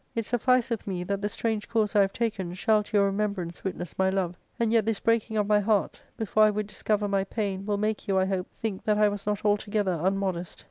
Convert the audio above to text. It sufficeth me that the strange course I have taken shall to your remembrance witness my love ; and yet this breaking of my heart, before I would discover my pain, will make you, I hope, think that I was not altogether unmodest.